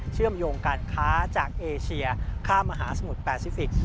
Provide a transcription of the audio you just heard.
เชื่อมโยงการค้าจากเอเชียข้ามมหาสมุทรแปซิฟิกส